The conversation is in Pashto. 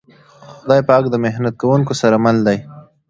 خدای پاک د محنت کونکو سره مل دی.